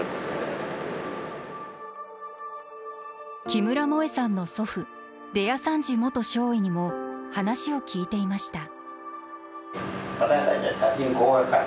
木村萌恵さんの祖父出谷三治元少尉にも話を聞いていました。